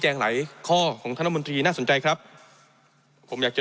หลายข้อของท่านรัฐมนตรีน่าสนใจครับผมอยากจะ